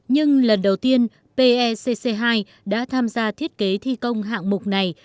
nhưng lần đầu tiên pecc hai đã tham gia thiết kế thi công hạng mục này